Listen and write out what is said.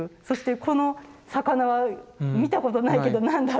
そしてこの魚は見たことないけど何だろうとか。